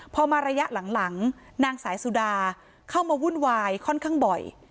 พอมาระยะหลังนางสายสุดาเข้ามาวุ่นวายค่อนข้างบ่อย